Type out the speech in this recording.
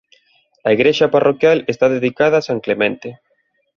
A igrexa parroquial está dedicada a San Clemente.